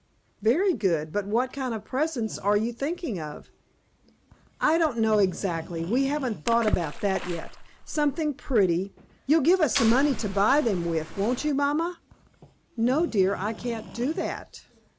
"Very good; but what kind of presents were you thinking of?" "I don't know exactly; we haven't thought about that yet. Something pretty. You'll give us some money to buy them with, won't you, mamma?" "No, dear, I can't do that."